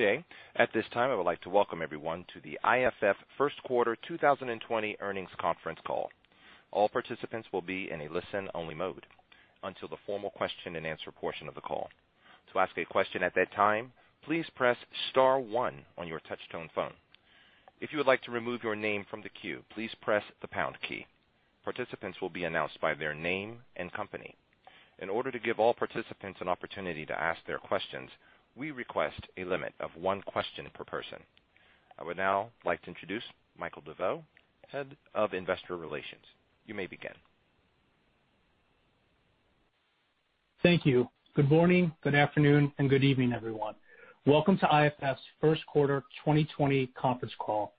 Today, at this time, I would like to welcome everyone to the IFF First Quarter 2020 Earnings Conference Call. All participants will be in a listen-only mode until the formal question-and-answer portion of the call. To ask a question at that time, please press star one on your touchtone phone. If you would like to remove your name from the queue, please press the pound key. Participants will be announced by their name and company. In order to give all participants an opportunity to ask their questions, we request a limit of one question per person. I would now like to introduce Michael DeVeau, Head of Investor Relations. You may begin. Thank you. Good morning, good afternoon, and good evening, everyone. Welcome to IFF's First Quarter 2020 conference call.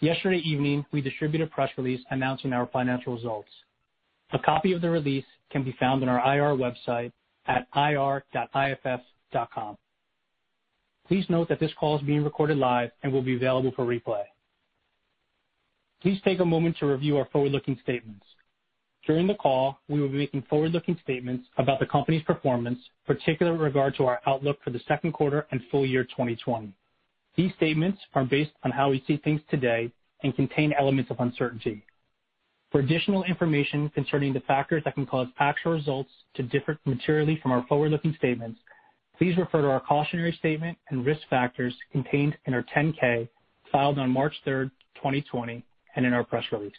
Yesterday evening, we distributed a press release announcing our financial results. A copy of the release can be found on our IR website at ir.iff.com. Please note that this call is being recorded live and will be available for replay. Please take a moment to review our forward-looking statements. During the call, we will be making forward-looking statements about the company's performance, particularly with regard to our outlook for the second quarter and full year 2020. These statements are based on how we see things today and contain elements of uncertainty. For additional information concerning the factors that can cause actual results to differ materially from our forward-looking statements, please refer to our cautionary statement and risk factors contained in our 10-K filed on March 3rd, 2020, and in our press release.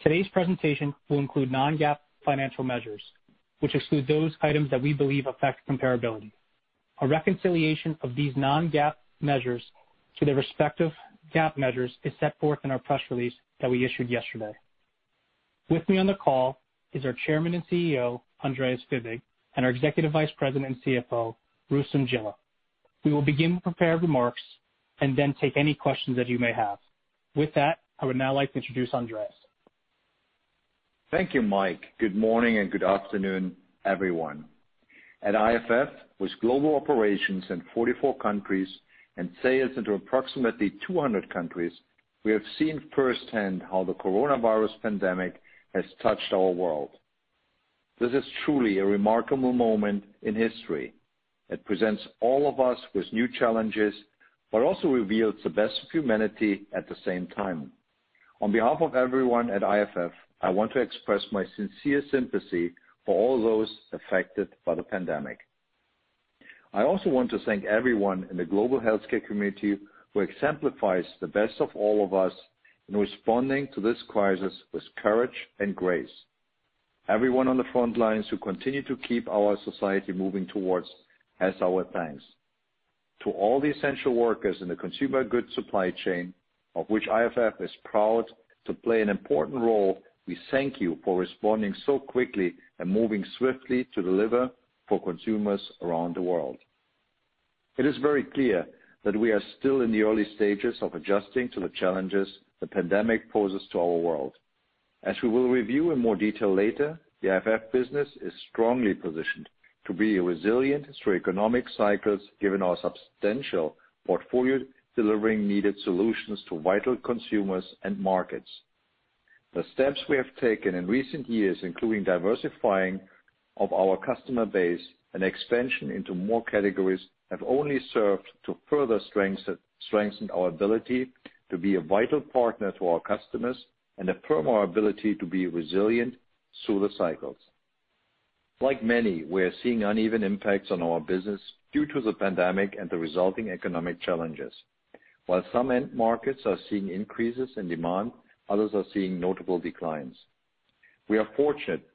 Today's presentation will include non-GAAP financial measures, which exclude those items that we believe affect comparability. A reconciliation of these non-GAAP measures to their respective GAAP measures is set forth in our press release that we issued yesterday. With me on the call is our Chairman and CEO, Andreas Fibig, and our Executive Vice President and CFO, Rustom Jilla. We will begin with prepared remarks and then take any questions that you may have. With that, I would now like to introduce Andreas. Thank you, Mike. Good morning and good afternoon, everyone. At IFF, with global operations in 44 countries and sales into approximately 200 countries, we have seen firsthand how the coronavirus pandemic has touched our world. This is truly a remarkable moment in history. It presents all of us with new challenges, but also reveals the best of humanity at the same time. On behalf of everyone at IFF, I want to express my sincere sympathy for all those affected by the pandemic. I also want to thank everyone in the global healthcare community who exemplifies the best of all of us in responding to this crisis with courage and grace. Everyone on the front lines who continue to keep our society moving towards has our thanks. To all the essential workers in the consumer goods supply chain, of which IFF is proud to play an important role, we thank you for responding so quickly and moving swiftly to deliver for consumers around the world. It is very clear that we are still in the early stages of adjusting to the challenges the pandemic poses to our world. As we will review in more detail later, the IFF business is strongly positioned to be resilient through economic cycles given our substantial portfolio delivering needed solutions to vital consumers and markets. The steps we have taken in recent years, including diversifying of our customer base and expansion into more categories, have only served to further strengthen our ability to be a vital partner to our customers and affirm our ability to be resilient through the cycles. Like many, we are seeing uneven impacts on our business due to the pandemic and the resulting economic challenges. While some end markets are seeing increases in demand, others are seeing notable declines. We are fortunate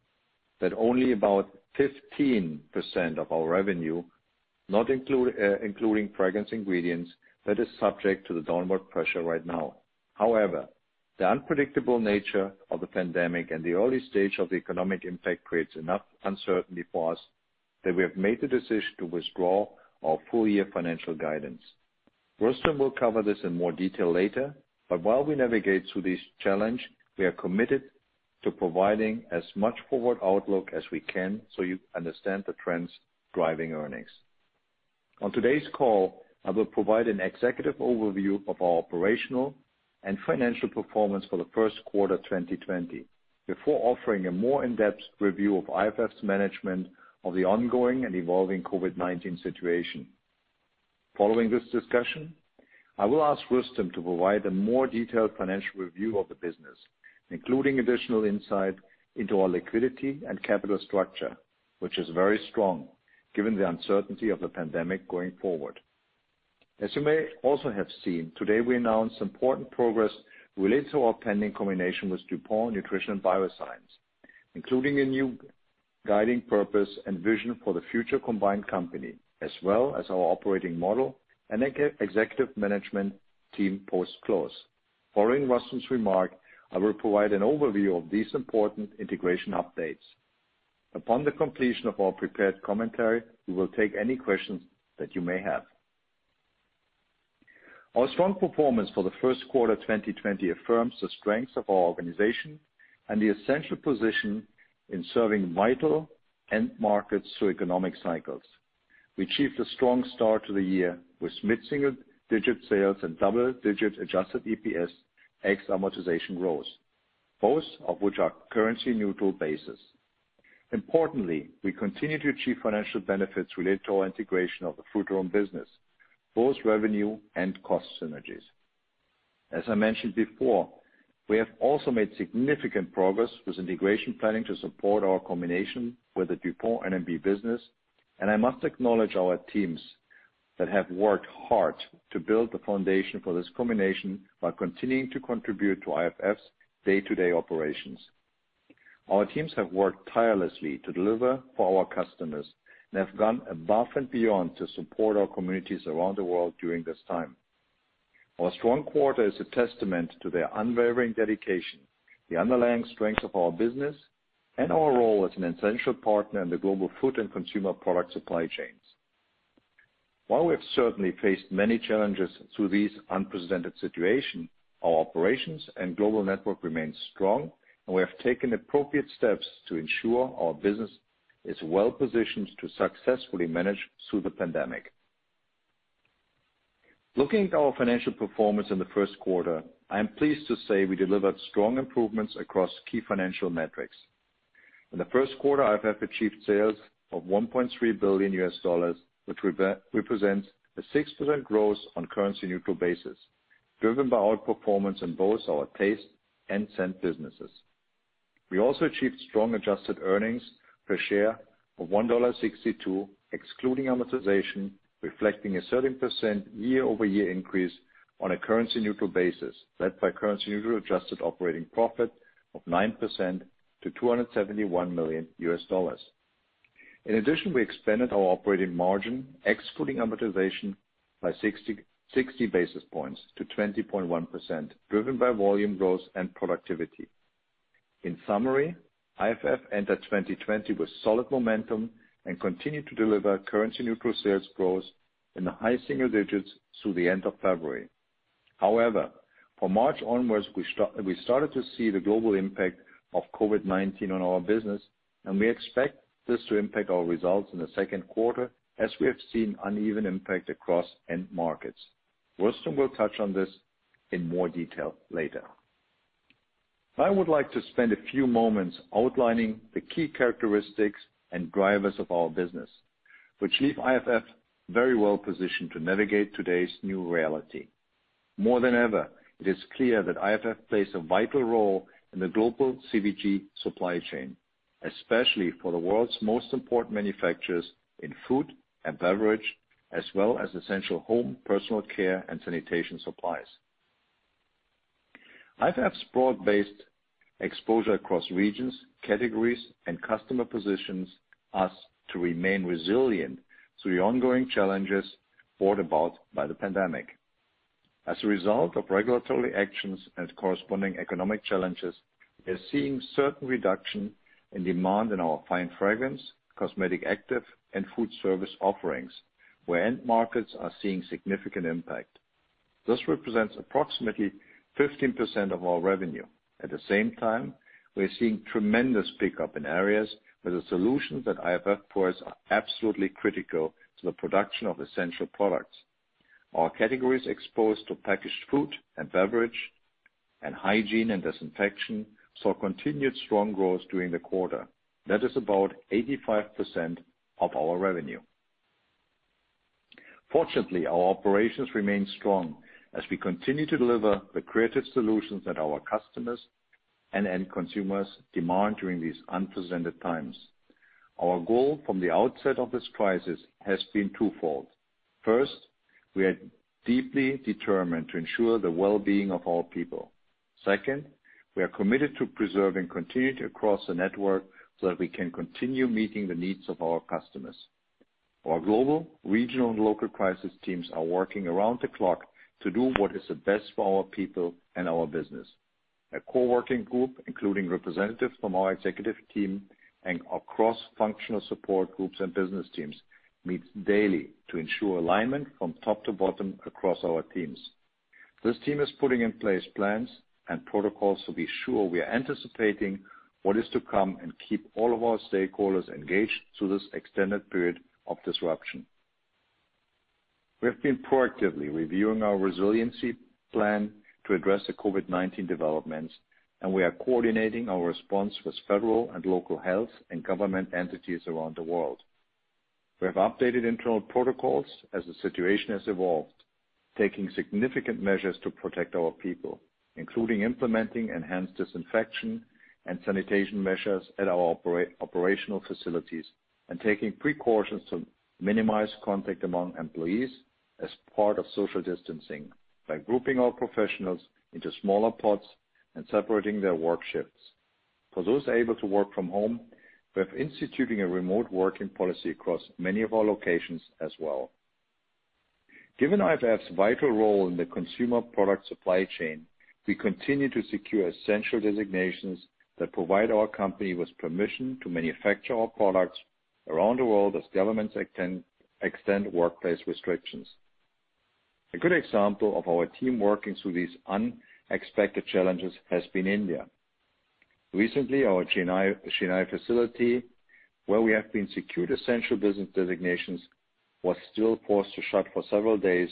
that only about 15% of our revenue, not including fragrance ingredients, that is subject to the downward pressure right now. The unpredictable nature of the pandemic and the early stage of the economic impact creates enough uncertainty for us that we have made the decision to withdraw our full-year financial guidance. Rustom will cover this in more detail later, but while we navigate through this challenge, we are committed to providing as much forward outlook as we can so you understand the trends driving earnings. On today's call, I will provide an executive overview of our operational and financial performance for the first quarter 2020 before offering a more in-depth review of IFF's management of the ongoing and evolving COVID-19 situation. Following this discussion, I will ask Rustom to provide a more detailed financial review of the business, including additional insight into our liquidity and capital structure, which is very strong given the uncertainty of the pandemic going forward. As you may also have seen, today, we announced important progress related to our pending combination with DuPont Nutrition & Biosciences, including a new guiding purpose and vision for the future combined company, as well as our operating model and executive management team post-close. Following Rustom's remark, I will provide an overview of these important integration updates. Upon the completion of our prepared commentary, we will take any questions that you may have. Our strong performance for the first quarter 2020 affirms the strength of our organization and the essential position in serving vital end markets through economic cycles. We achieved a strong start to the year with mid-single-digit sales and double-digit adjusted EPS ex-amortization growth. Both of which are currency neutral basis. Importantly, we continue to achieve financial benefits related to our integration of the Frutarom business, both revenue and cost synergies. As I mentioned before, we have also made significant progress with integration planning to support our combination with the DuPont N&B business, and I must acknowledge our teams that have worked hard to build the foundation for this combination while continuing to contribute to IFF's day-to-day operations. Our teams have worked tirelessly to deliver for our customers and have gone above and beyond to support our communities around the world during this time. Our strong quarter is a testament to their unwavering dedication, the underlying strength of our business, and our role as an essential partner in the global food and consumer product supply chains. While we have certainly faced many challenges through this unprecedented situation, our operations and global network remain strong, and we have taken appropriate steps to ensure our business is well-positioned to successfully manage through the pandemic. Looking at our financial performance in the first quarter, I am pleased to say we delivered strong improvements across key financial metrics. In the first quarter, IFF achieved sales of $1.3 billion USD, which represents a 6% growth on currency neutral basis, driven by our performance in both our taste and scent businesses. We also achieved strong adjusted earnings per share of $1.62, excluding amortization, reflecting a 13% year-over-year increase on a currency neutral basis, led by currency neutral adjusted operating profit of 9% to $271 million. In addition, we expanded our operating margin, excluding amortization, by 60 basis points to 20.1%, driven by volume growth and productivity. In summary, IFF entered 2020 with solid momentum and continued to deliver currency neutral sales growth in the high single digits through the end of February. However, from March onwards, we started to see the global impact of COVID-19 on our business, and we expect this to impact our results in the second quarter as we have seen uneven impact across end markets. Rustom will touch on this in more detail later. I would like to spend a few moments outlining the key characteristics and drivers of our business, which leave IFF very well positioned to navigate today's new reality. More than ever, it is clear that IFF plays a vital role in the global CPG supply chain, especially for the world's most important manufacturers in food and beverage, as well as essential home, personal care, and sanitation supplies. IFF's broad-based exposure across regions, categories, and customer positions us to remain resilient through the ongoing challenges brought about by the pandemic. As a result of regulatory actions and corresponding economic challenges, we are seeing certain reduction in demand in our fine fragrance, cosmetic active, and food service offerings, where end markets are seeing significant impact. This represents approximately 15% of our revenue. At the same time, we are seeing tremendous pickup in areas where the solutions that IFF powers are absolutely critical to the production of essential products. Our categories exposed to packaged food and beverage, and hygiene and disinfection, saw continued strong growth during the quarter. That is about 85% of our revenue. Fortunately, our operations remain strong as we continue to deliver the creative solutions that our customers and end consumers demand during these unprecedented times. Our goal from the outset of this crisis has been twofold. First, we are deeply determined to ensure the well-being of our people. Second, we are committed to preserving continuity across the network so that we can continue meeting the needs of our customers. Our global, regional, and local crisis teams are working around the clock to do what is the best for our people and our business. A core working group, including representatives from our executive team and our cross-functional support groups and business teams, meets daily to ensure alignment from top to bottom across our teams. This team is putting in place plans and protocols to be sure we are anticipating what is to come and keep all of our stakeholders engaged through this extended period of disruption. We have been proactively reviewing our resiliency plan to address the COVID-19 developments, and we are coordinating our response with federal and local health and government entities around the world. We have updated internal protocols as the situation has evolved, taking significant measures to protect our people, including implementing enhanced disinfection and sanitation measures at our operational facilities and taking precautions to minimize contact among employees as part of social distancing by grouping our professionals into smaller pods and separating their work shifts. For those able to work from home, we're instituting a remote working policy across many of our locations as well. Given IFF's vital role in the consumer product supply chain, we continue to secure essential designations that provide our company with permission to manufacture our products around the world as governments extend workplace restrictions. A good example of our team working through these unexpected challenges has been India. Recently, our Chennai facility, where we have been secured essential business designations, was still forced to shut for several days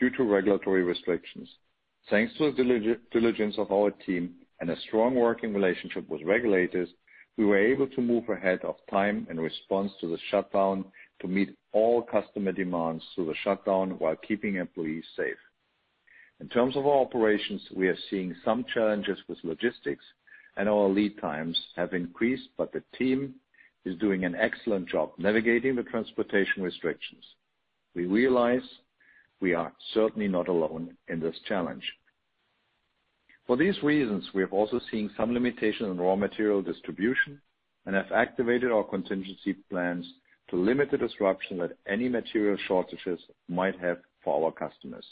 due to regulatory restrictions. Thanks to the diligence of our team and a strong working relationship with regulators, we were able to move ahead of time in response to the shutdown to meet all customer demands through the shutdown while keeping employees safe. In terms of our operations, we are seeing some challenges with logistics and our lead times have increased, but the team is doing an excellent job navigating the transportation restrictions. We realize we are certainly not alone in this challenge. For these reasons, we have also seen some limitations in raw material distribution and have activated our contingency plans to limit the disruption that any material shortages might have for our customers.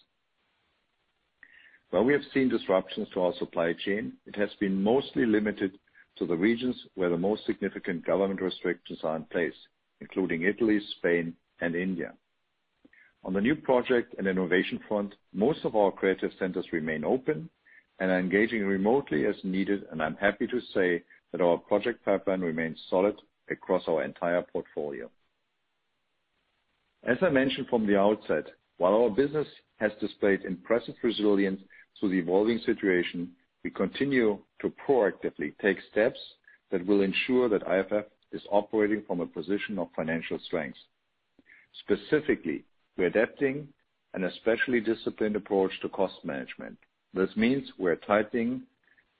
While we have seen disruptions to our supply chain, it has been mostly limited to the regions where the most significant government restrictions are in place, including Italy, Spain and India. On the new project and innovation front, most of our creative centers remain open and are engaging remotely as needed, and I'm happy to say that our project pipeline remains solid across our entire portfolio. As I mentioned from the outset, while our business has displayed impressive resilience to the evolving situation, we continue to proactively take steps that will ensure that IFF is operating from a position of financial strength. Specifically, we're adapting an especially disciplined approach to cost management. This means we're tightening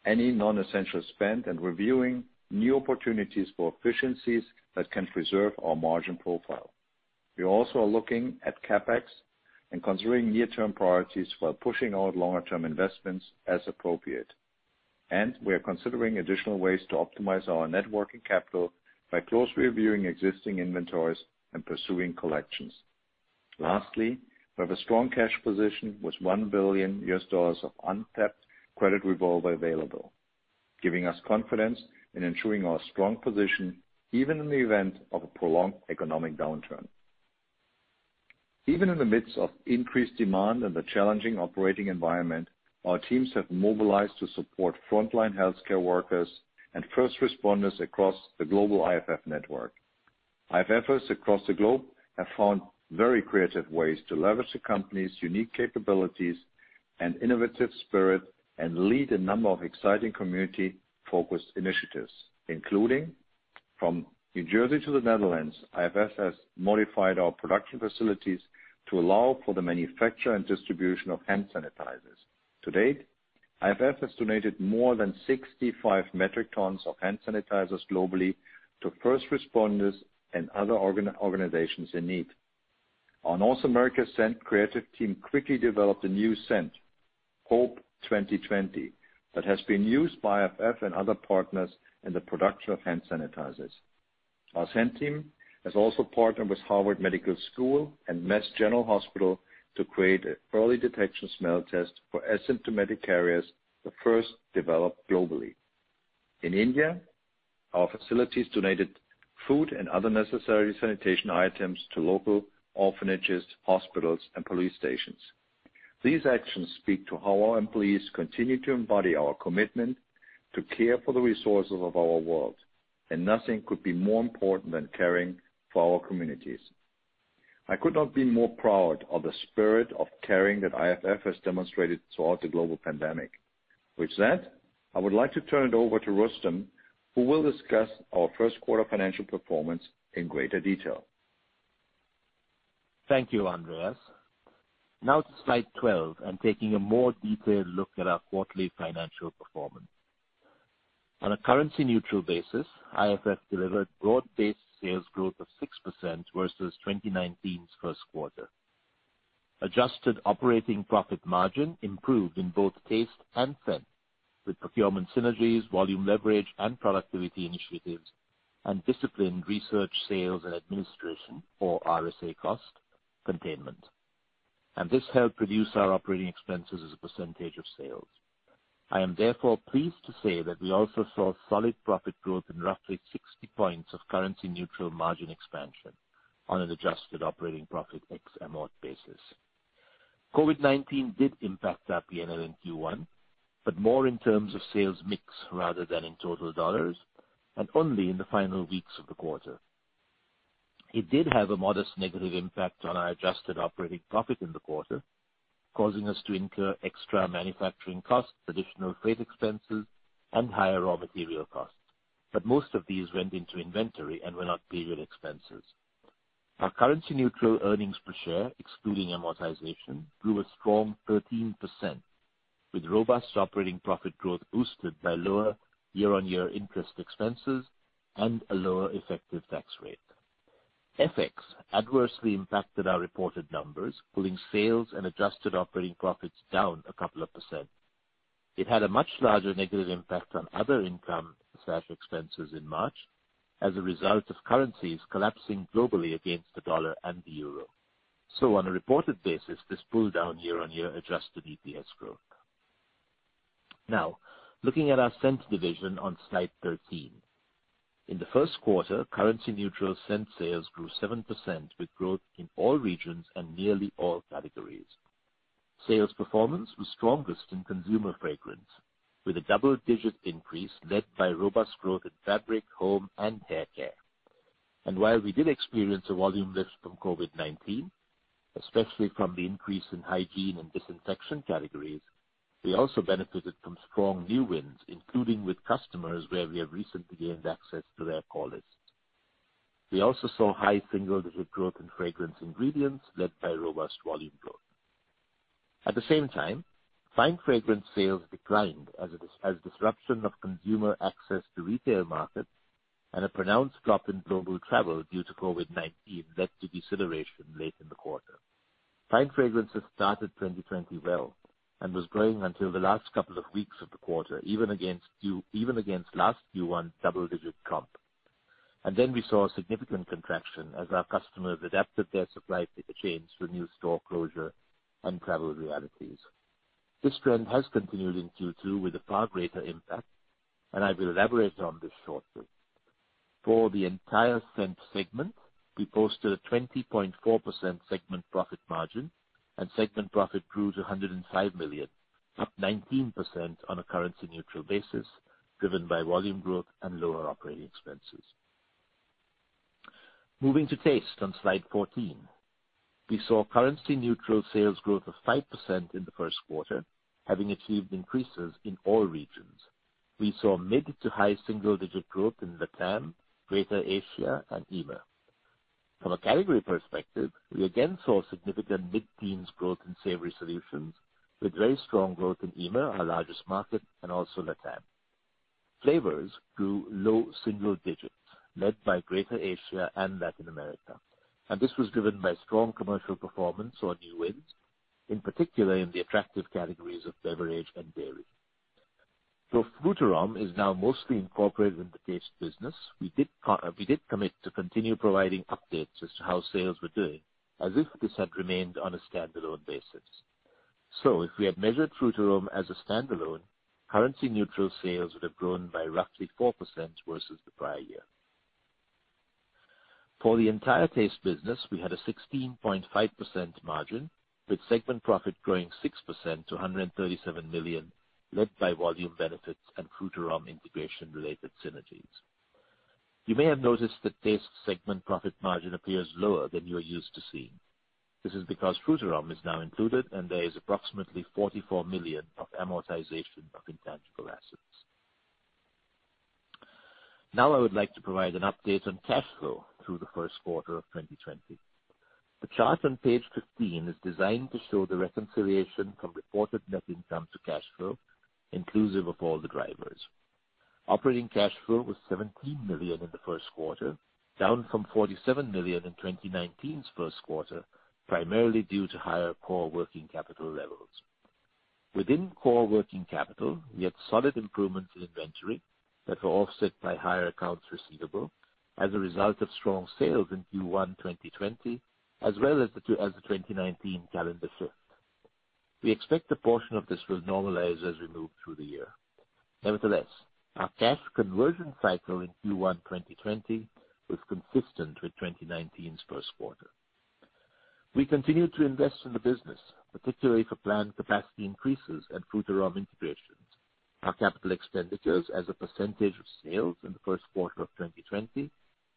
any non-essential spend and reviewing new opportunities for efficiencies that can preserve our margin profile. We also are looking at CapEx and considering near-term priorities while pushing out longer term investments as appropriate. We are considering additional ways to optimize our net working capital by closely reviewing existing inventories and pursuing collections. Lastly, we have a strong cash position with $1 billion of untapped credit revolver available, giving us confidence in ensuring our strong position even in the event of a prolonged economic downturn. Even in the midst of increased demand and the challenging operating environment, our teams have mobilized to support frontline healthcare workers and first responders across the global IFF network. IFFers across the globe have found very creative ways to leverage the company's unique capabilities and innovative spirit and lead a number of exciting community-focused initiatives, including from New Jersey to the Netherlands, IFF has modified our production facilities to allow for the manufacture and distribution of hand sanitizers. To date, IFF has donated more than 65 metric tons of hand sanitizers globally to first responders and other organizations in need. Our North America Scent creative team quickly developed a new scent, Hope 2020, that has been used by IFF and other partners in the production of hand sanitizers. Our Scent Team has also partnered with Harvard Medical School and Mass General Hospital to create an early detection smell test for asymptomatic carriers, the first developed globally. In India, our facilities donated food and other necessary sanitation items to local orphanages, hospitals, and police stations. These actions speak to how our employees continue to embody our commitment to care for the resources of our world, and nothing could be more important than caring for our communities. I could not be more proud of the spirit of caring that IFF has demonstrated throughout the global pandemic. With that, I would like to turn it over to Rustom, who will discuss our first quarter financial performance in greater detail. Thank you, Andreas. Now to slide 12, I'm taking a more detailed look at our quarterly financial performance. On a currency neutral basis, IFF delivered broad-based sales growth of 6% versus 2019's first quarter. Adjusted operating profit margin improved in both taste and scent, with procurement synergies, volume leverage, and productivity initiatives, and disciplined Research Sales, And Administration, or RSA cost containment. This helped reduce our operating expenses as a percentage of sales. I am therefore pleased to say that we also saw solid profit growth in roughly 60 points of currency neutral margin expansion on an adjusted operating profit ex-amort basis. COVID-19 did impact our P&L in Q1, but more in terms of sales mix rather than in total dollars, and only in the final weeks of the quarter. It did have a modest negative impact on our adjusted operating profit in the quarter, causing us to incur extra manufacturing costs, additional freight expenses, and higher raw material costs. Most of these went into inventory and were not period expenses. Our currency neutral earnings per share, excluding amortization, grew a strong 13%, with robust operating profit growth boosted by lower year-on-year interest expenses and a lower effective tax rate. FX adversely impacted our reported numbers, pulling sales and adjusted operating profits down a couple of percent. It had a much larger negative impact on other income/expenses in March as a result of currencies collapsing globally against the dollar and the euro. On a reported basis, this pulled down year-on-year adjusted EPS growth. Looking at our scents division on slide 13. In the first quarter, currency neutral scent sales grew 7% with growth in all regions and nearly all categories. Sales performance was strongest in consumer fragrance, with a double-digit increase led by robust growth in fabric, home, and hair care. While we did experience a volume lift from COVID-19, especially from the increase in hygiene and disinfection categories, we also benefited from strong new wins, including with customers where we have recently gained access to their call lists. We also saw high single-digit growth in fragrance ingredients led by robust volume growth. At the same time, fine fragrance sales declined as disruption of consumer access to retail markets and a pronounced drop in global travel due to COVID-19 led to deceleration late in the quarter. Fine fragrances started 2020 well and was growing until the last couple of weeks of the quarter, even against last Q1 double-digit comp. We saw a significant contraction as our customers adapted their supply chains to new store closure and travel realities. This trend has continued in Q2 with a far greater impact, I will elaborate on this shortly. For the entire scent segment, we posted a 20.4% segment profit margin and segment profit grew to $105 million, up 19% on a currency-neutral basis, driven by volume growth and lower operating expenses. Moving to taste on slide 14. We saw currency-neutral sales growth of 5% in the first quarter, having achieved increases in all regions. We saw mid-to-high single-digit growth in LATAM, Greater Asia, and EMEA. From a category perspective, we again saw significant mid-teens growth in Savory Solutions with very strong growth in EMEA, our largest market, and also LATAM. Flavors grew low single digits led by Greater Asia and Latin America. This was driven by strong commercial performance or new wins, in particular in the attractive categories of beverage and dairy. Frutarom is now mostly incorporated in the taste business. We did commit to continue providing updates as to how sales were doing as if this had remained on a standalone basis. If we had measured Frutarom as a standalone, currency neutral sales would have grown by roughly 4% versus the prior year. For the entire taste business, we had a 16.5% margin, with segment profit growing 6% to $137 million, led by volume benefits and Frutarom integration related synergies. You may have noticed that taste segment profit margin appears lower than you are used to seeing. This is because Frutarom is now included and there is approximately $44 million of amortization of intangible assets. I would like to provide an update on cash flow through the first quarter of 2020. The chart on page 15 is designed to show the reconciliation from reported net income to cash flow, inclusive of all the drivers. Operating cash flow was $17 million in the first quarter, down from $47 million in 2019's first quarter, primarily due to higher core working capital levels. Within core working capital, we had solid improvements in inventory that were offset by higher accounts receivable as a result of strong sales in Q1 2020, as well as the 2019 calendar shift. We expect a portion of this will normalize as we move through the year. Nevertheless, our cash conversion cycle in Q1 2020 was consistent with 2019's first quarter. We continued to invest in the business, particularly for planned capacity increases and Frutarom integrations. Our capital expenditures as a percentage of sales in the first quarter of 2020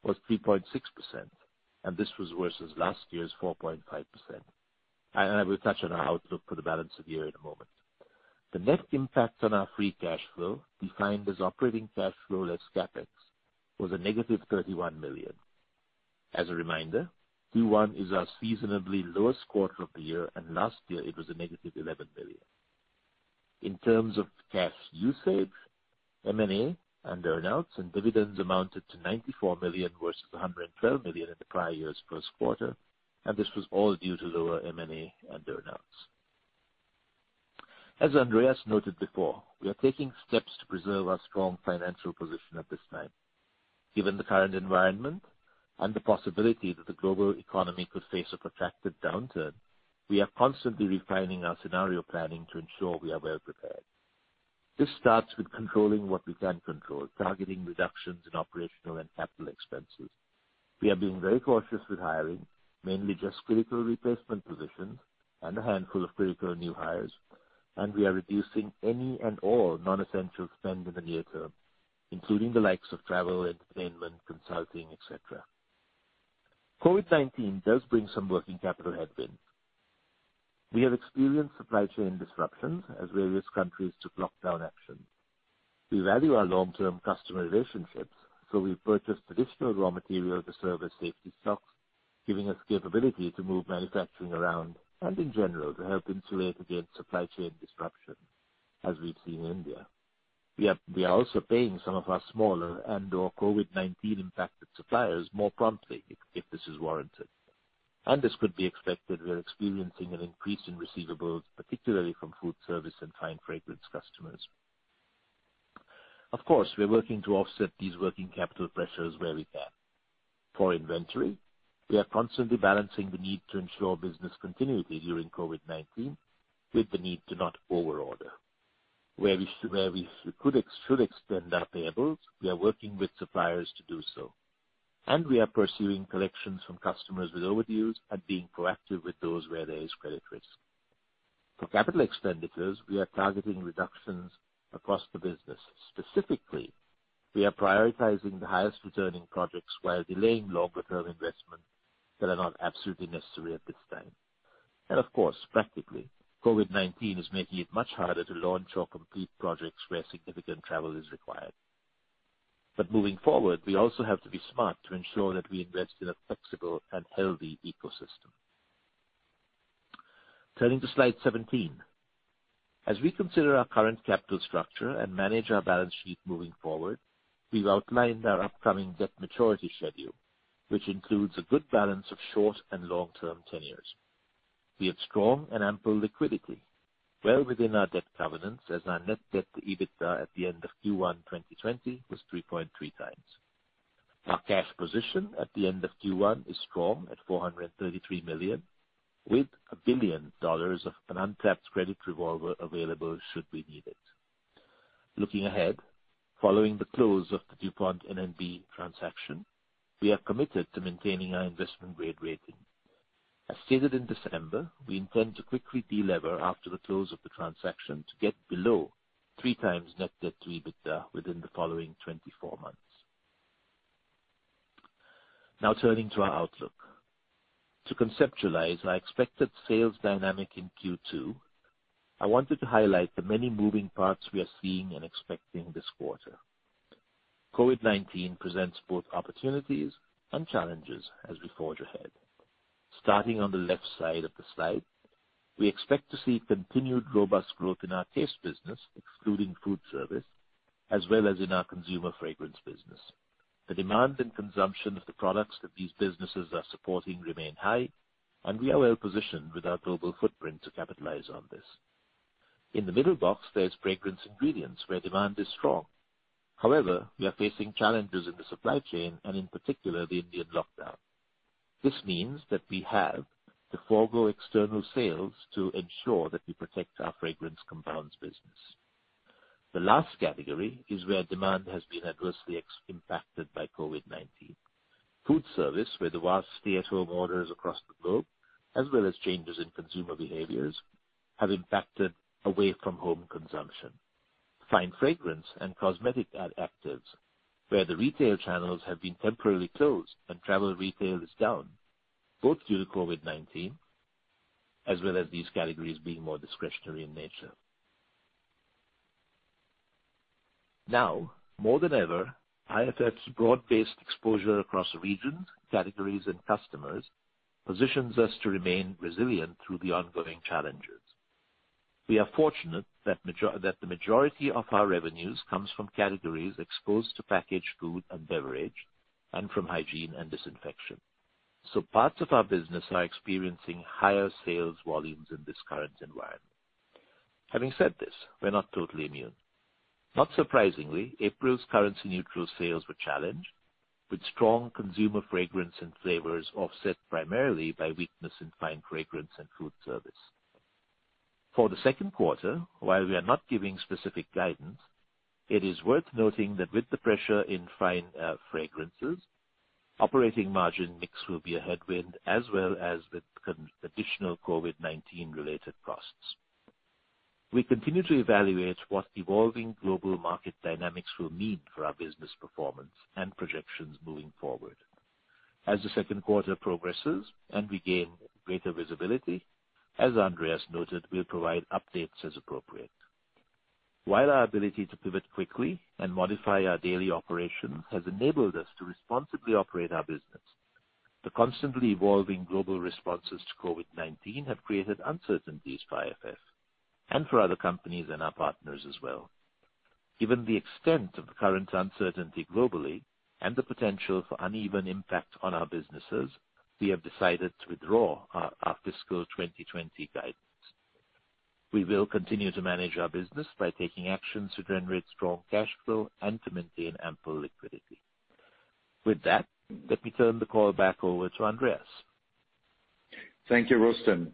was 3.6%, and this was versus last year's 4.5%. I will touch on our outlook for the balance of the year in a moment. The net impact on our free cash flow, defined as operating cash flow less CapEx, was a negative $31 million. As a reminder, Q1 is our seasonably lowest quarter of the year, and last year it was a negative $11 million. In terms of cash usage, M&A and earn outs and dividends amounted to $94 million, versus $112 million in the prior year's first quarter, and this was all due to lower M&A and earn outs. As Andreas noted before, we are taking steps to preserve our strong financial position at this time. Given the current environment and the possibility that the global economy could face a protracted downturn, we are constantly refining our scenario planning to ensure we are well prepared. This starts with controlling what we can control, targeting reductions in operational and capital expenses. We are being very cautious with hiring, mainly just critical replacement positions and a handful of critical new hires, and we are reducing any and all non-essential spend in the near term, including the likes of travel, entertainment, consulting, et cetera. COVID-19 does bring some working capital headwinds. We have experienced supply chain disruptions as various countries took lockdown action. We value our long-term customer relationships, so we purchased additional raw material to serve as safety stocks, giving us capability to move manufacturing around and in general, to help insulate against supply chain disruption as we've seen in India. We are also paying some of our smaller and/or COVID-19 impacted suppliers more promptly if this is warranted. As could be expected, we are experiencing an increase in receivables, particularly from food service and fine fragrance customers. Of course, we're working to offset these working capital pressures where we can. For inventory, we are constantly balancing the need to ensure business continuity during COVID-19 with the need to not overorder. Where we should extend our payables, we are working with suppliers to do so, and we are pursuing collections from customers with overdues and being proactive with those where there is credit risk. For capital expenditures, we are targeting reductions across the business. Specifically, we are prioritizing the highest returning projects while delaying longer-term investments that are not absolutely necessary at this time. Of course, practically, COVID-19 is making it much harder to launch or complete projects where significant travel is required. Moving forward, we also have to be smart to ensure that we invest in a flexible and healthy ecosystem. Turning to slide 17. As we consider our current capital structure and manage our balance sheet moving forward, we've outlined our upcoming debt maturity schedule, which includes a good balance of short and long-term tenures. We have strong and ample liquidity, well within our debt covenants as our net debt to EBITDA at the end of Q1 2020 was 3.3 times. Our cash position at the end of Q1 is strong at $433 million, with $1 billion of an untapped credit revolver available should we need it. Looking ahead, following the close of the DuPont N&B transaction, we are committed to maintaining our investment-grade rating. As stated in December, we intend to quickly delever after the close of the transaction to get below three times net debt to EBITDA within the following 24 months. Now turning to our outlook. To conceptualize our expected sales dynamic in Q2, I wanted to highlight the many moving parts we are seeing and expecting this quarter. COVID-19 presents both opportunities and challenges as we forge ahead. Starting on the left side of the slide, we expect to see continued robust growth in our taste business, excluding food service, as well as in our consumer fragrance business. The demand and consumption of the products that these businesses are supporting remain high, and we are well positioned with our global footprint to capitalize on this. In the middle box, there is fragrance ingredients where demand is strong. However, we are facing challenges in the supply chain and in particular, the Indian lockdown. This means that we have to forgo external sales to ensure that we protect our fragrance compounds business. The last category is where demand has been adversely impacted by COVID-19. Food service, where the vast stay-at-home orders across the globe, as well as changes in consumer behaviors, have impacted away from home consumption. Fine fragrance and cosmetic actives, where the retail channels have been temporarily closed and travel retail is down, both due to COVID-19, as well as these categories being more discretionary in nature. Now, more than ever, IFF's broad-based exposure across regions, categories, and customers positions us to remain resilient through the ongoing challenges. We are fortunate that the majority of our revenues comes from categories exposed to packaged food and beverage, and from hygiene and disinfection. Parts of our business are experiencing higher sales volumes in this current environment. Having said this, we're not totally immune. Not surprisingly, April's currency-neutral sales were challenged, with strong consumer fragrance and flavors offset primarily by weakness in fine fragrance and food service. For the second quarter, while we are not giving specific guidance, it is worth noting that with the pressure in fine fragrances, operating margin mix will be a headwind as well as with additional COVID-19 related costs. We continue to evaluate what the evolving global market dynamics will mean for our business performance and projections moving forward. As the second quarter progresses and we gain greater visibility, as Andreas noted, we will provide updates as appropriate. While our ability to pivot quickly and modify our daily operations has enabled us to responsibly operate our business, the constantly evolving global responses to COVID-19 have created uncertainties for IFF and for other companies and our partners as well. Given the extent of the current uncertainty globally and the potential for uneven impact on our businesses, we have decided to withdraw our fiscal 2020 guidance. We will continue to manage our business by taking actions to generate strong cash flow and to maintain ample liquidity. With that, let me turn the call back over to Andreas. Thank you, Rustom.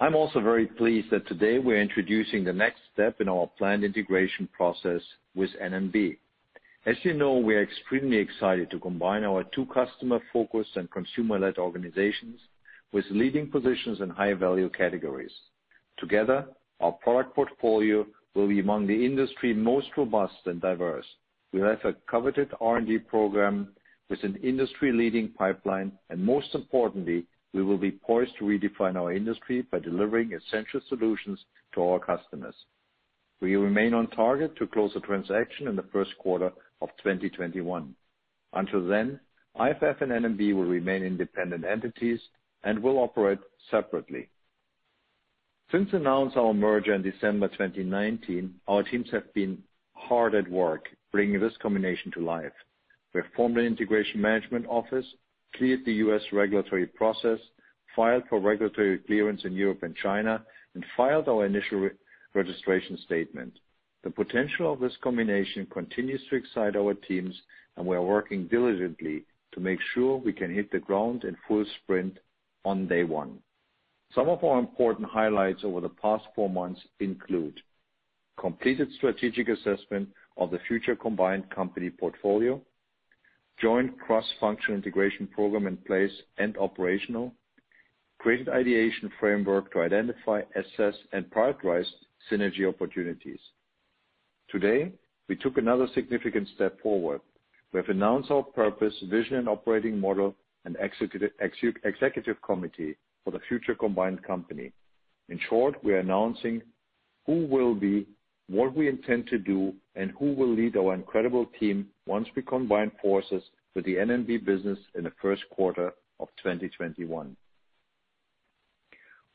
I'm also very pleased that today we're introducing the next step in our planned integration process with N&B. As you know, we are extremely excited to combine our two customer-focused and consumer-led organizations with leading positions in high-value categories. Together, our product portfolio will be among the industry most robust and diverse. We have a coveted R&D program with an industry-leading pipeline, and most importantly, we will be poised to redefine our industry by delivering essential solutions to our customers. We remain on target to close the transaction in the first quarter of 2021. Until then, IFF and N&B will remain independent entities and will operate separately. Since announce our merger in December 2019, our teams have been hard at work bringing this combination to life. We have formed an integration management office, cleared the U.S. regulatory process, filed for regulatory clearance in Europe and China, and filed our initial registration statement. The potential of this combination continues to excite our teams, and we are working diligently to make sure we can hit the ground in full sprint on day one. Some of our important highlights over the past four months include: completed strategic assessment of the future combined company portfolio, joint cross-function integration program in place and operational, created ideation framework to identify, assess, and prioritize synergy opportunities. Today, we took another significant step forward. We have announced our purpose, vision, and operating model and executive committee for the future combined company. In short, we are announcing who we will be, what we intend to do, and who will lead our incredible team once we combine forces with the N&B business in the first quarter of 2021.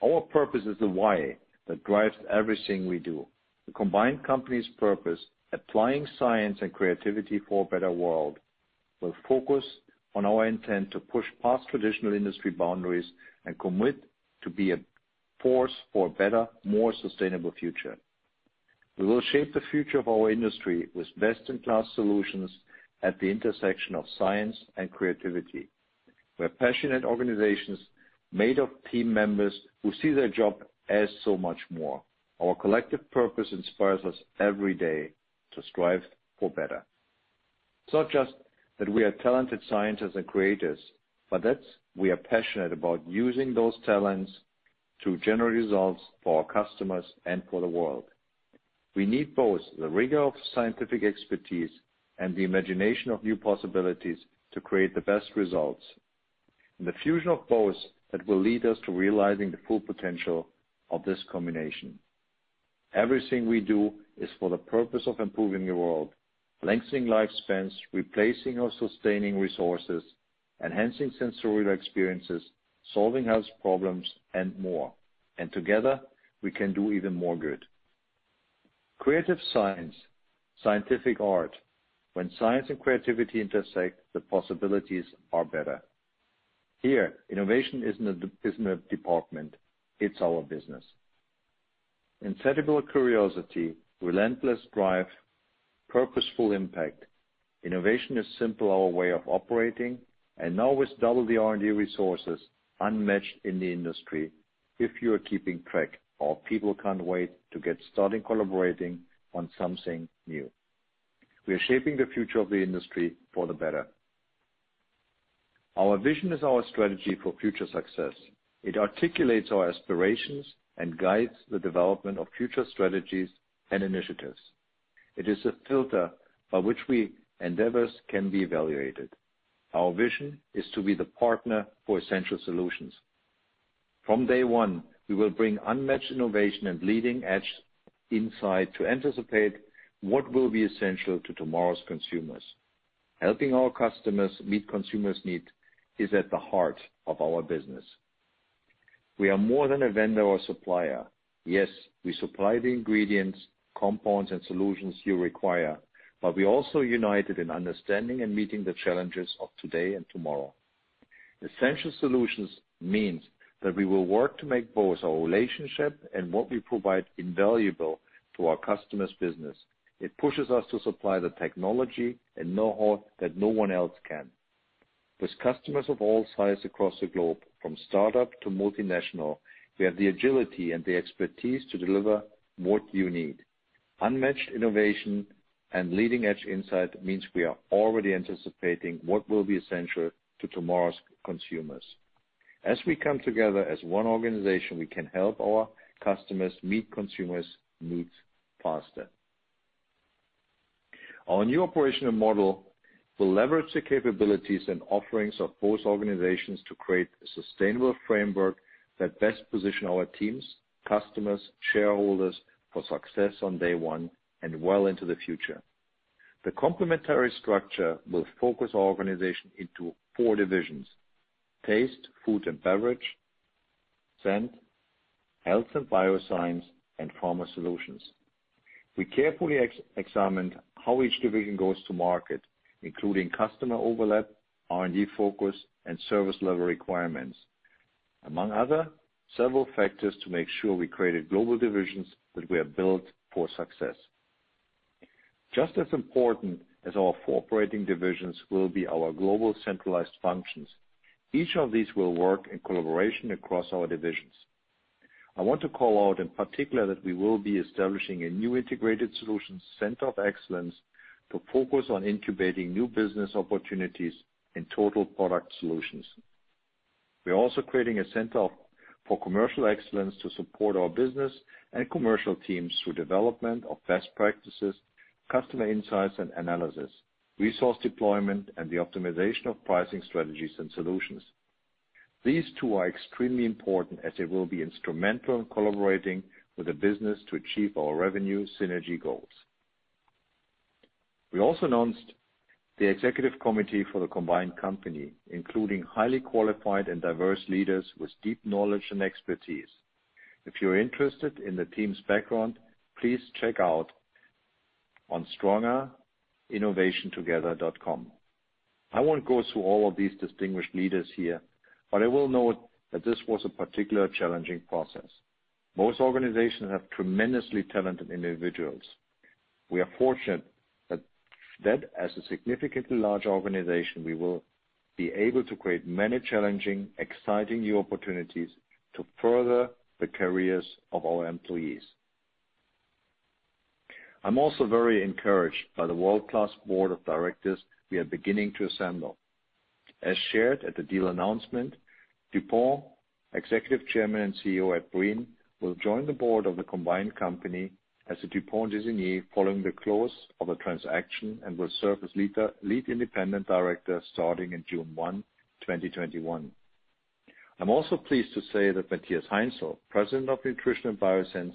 Our purpose is the why that drives everything we do. The combined company's purpose, applying science and creativity for a better world, will focus on our intent to push past traditional industry boundaries and commit to be a force for a better, more sustainable future. We will shape the future of our industry with best-in-class solutions at the intersection of science and creativity. We're passionate organizations made of team members who see their job as so much more. Our collective purpose inspires us every day to strive for better. It's not just that we are talented scientists and creators, but that we are passionate about using those talents to generate results for our customers and for the world. We need both the rigor of scientific expertise and the imagination of new possibilities to create the best results, and the fusion of both that will lead us to realizing the full potential of this combination. Everything we do is for the purpose of improving the world, lengthening lifespans, replacing or sustaining resources, enhancing sensorial experiences, solving health problems, and more. Together, we can do even more good. Creative science, scientific art. When science and creativity intersect, the possibilities are better. Here, innovation isn't a department, it's our business. Insatiable curiosity, relentless drive, purposeful impact. Innovation is simply our way of operating and now with double the R&D resources, unmatched in the industry if you are keeping track. Our people can't wait to get started collaborating on something new. We are shaping the future of the industry for the better. Our vision is our strategy for future success. It articulates our aspirations and guides the development of future strategies and initiatives. It is a filter by which our endeavors can be evaluated. Our vision is to be the partner for essential solutions. From day one, we will bring unmatched innovation and leading-edge insight to anticipate what will be essential to tomorrow's consumers. Helping our customers meet consumers' needs is at the heart of our business. We are more than a vendor or supplier. Yes, we supply the ingredients, compounds, and solutions you require, but we're also united in understanding and meeting the challenges of today and tomorrow. Essential solutions means that we will work to make both our relationship and what we provide invaluable to our customers' business. It pushes us to supply the technology and know-how that no one else can. With customers of all sizes across the globe, from startup to multinational, we have the agility and the expertise to deliver what you need. Unmatched innovation and leading-edge insight means we are already anticipating what will be essential to tomorrow's consumers. As we come together as one organization, we can help our customers meet consumers' needs faster. Our new operational model will leverage the capabilities and offerings of both organizations to create a sustainable framework that best position our teams, customers, shareholders for success on day one and well into the future. The complementary structure will focus our organization into four divisions. Taste, Food, and Beverage, Scent, Health and Bioscience, and Pharma Solutions. We carefully examined how each division goes to market, including customer overlap, R&D focus, and service level requirements, among other several factors to make sure we created global divisions that were built for success. Just as important as our four operating divisions will be our global centralized functions. Each of these will work in collaboration across our divisions. I want to call out in particular that we will be establishing a new Integrated Solutions Center of Excellence to focus on incubating new business opportunities in total product solutions. We're also creating a Center for Commercial Excellence to support our business and commercial teams through development of best practices, customer insights and analysis, resource deployment, and the optimization of pricing strategies and solutions. These two are extremely important as they will be instrumental in collaborating with the business to achieve our revenue synergy goals. We also announced the executive committee for the combined company, including highly qualified and diverse leaders with deep knowledge and expertise. If you're interested in the team's background, please check out on strongerinnovationtogether.com. I won't go through all of these distinguished leaders here, but I will note that this was a particularly challenging process. Most organizations have tremendously talented individuals. We are fortunate that as a significantly large organization, we will be able to create many challenging, exciting new opportunities to further the careers of our employees. I'm also very encouraged by the world-class board of directors we are beginning to assemble. As shared at the deal announcement, DuPont Executive Chairman and CEO, Ed Breen, will join the board of the combined company as the DuPont designee following the close of the transaction and will serve as lead independent director starting in June 1, 2021. I'm also pleased to say that Matthias Heinzel, President of Nutrition & Bioscience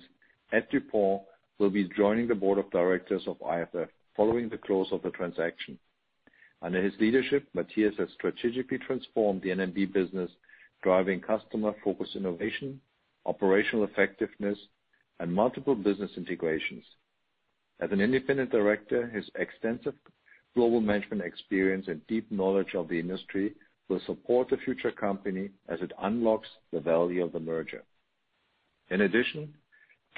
at DuPont, will be joining the board of directors of IFF following the close of the transaction. Under his leadership, Matthias has strategically transformed the N&B business, driving customer-focused innovation, operational effectiveness, and multiple business integrations. As an independent director, his extensive global management experience and deep knowledge of the industry will support the future company as it unlocks the value of the merger. In addition,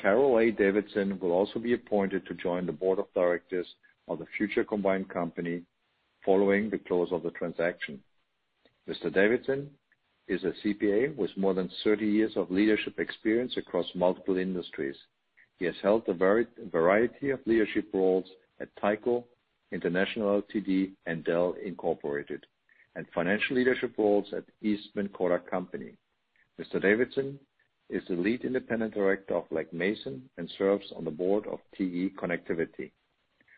Carol A. Davidson will also be appointed to join the board of directors of the future combined company following the close of the transaction. Mr. Davidson is a CPA with more than 30 years of leadership experience across multiple industries. He has held a variety of leadership roles at Tyco International Ltd., and Dell Incorporated, and financial leadership roles at Eastman Kodak Company. Mr. Davidson is the lead independent director of Legg Mason and serves on the board of TE Connectivity.